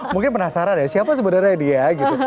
mungkin penasaran ya siapa sebenarnya dia gitu